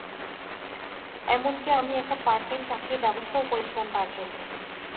এমনকি আমি একটা পার্ট-টাইম চাকরির ব্যবস্থাও করেছিলাম তার জন্য।